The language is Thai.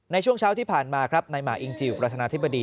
ในช่วงเช้าที่ผ่านมาครับนายหมาอิงจิลประธานาธิบดี